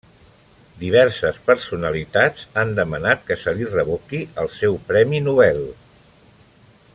Diverses personalitats han demanat que se li revoqui el seu Premi Nobel.